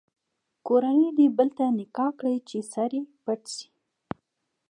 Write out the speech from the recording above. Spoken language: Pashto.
کورنۍ دې بل ته نکاح کړي چې سر یې پټ شي.